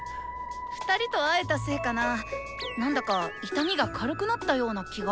２人と会えたせいかな何だか痛みが軽くなったような気が。